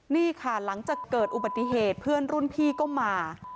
นี่ค่ะหลังจากเกิดอุบัติเหตุเพื่อนรุ่นพี่ก็มา